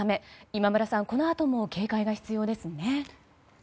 今村さん、このあとも警戒が必要ですね。